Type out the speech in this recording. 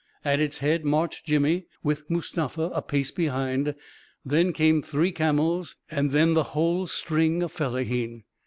At its head marched Jimmy, with Mustafa a pace behind ; then came three camels, and then the whole String of fellahin